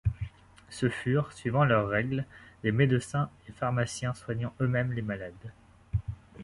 Ce furent, suivant leur règle, des médecins et pharmaciens soignant eux-mêmes les malades.